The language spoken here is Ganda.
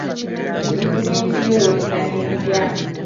Bizinensi yo yenkana etya?